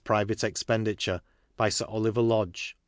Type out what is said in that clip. Private Eipenditure. By Sir Oliver Lodge.